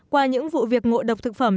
qua những vụ việc ngộ độc thực phẩm